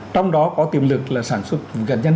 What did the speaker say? trong đó có tiềm lực là sản xuất vực gần nhân